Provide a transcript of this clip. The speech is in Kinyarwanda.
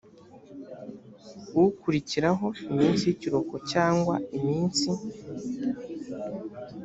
ukurikiraho iminsi y ikiruhuko cyangwa iminsi